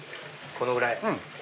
このぐらい。